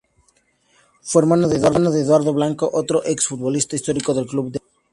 Fue hermano de Eduardo Blanco, otro ex futbolista histórico del club de Arroyito.